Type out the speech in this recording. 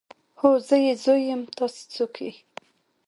هو زه يې زوی يم تاسې څوک يئ.